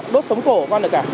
đốt sống cổ của con được cả